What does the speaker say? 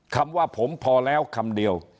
คำว่าผมพอแล้วคำเดียว